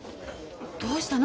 どうしたの？